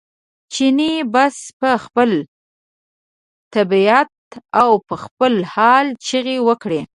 چیني بس په خپله طبعیت او په خپل حال چغې وکړې.